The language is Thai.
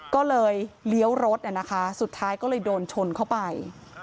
ก็เลยเลี้ยวรถนะคะสุดท้ายก็เลยโดนชนเข้าไป